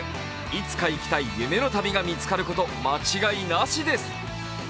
いつか行きたい夢の旅が見つかること間違いなしです。